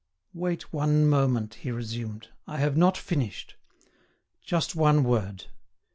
"Wait one moment," he resumed; "I have not finished. Just one word.